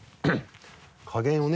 加減をね。